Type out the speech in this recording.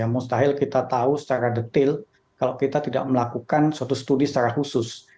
mustahil kita tahu secara detail kalau kita tidak melakukan suatu studi secara khusus